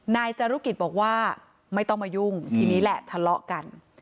นายจารุกิจบอกว่าไม่ต้องมายุ่งทีนี้แหละทะเลาะกัน